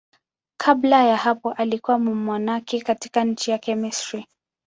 Kabla ya hapo alikuwa mmonaki katika nchi yake, Misri.